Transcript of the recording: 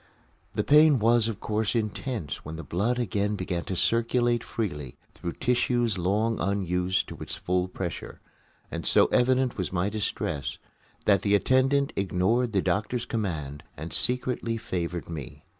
The pain was of course intense when the blood again began to circulate freely through tissues long unused to its full pressure, and so evident was my distress that the attendant ignored the doctor's command and secretly favored me.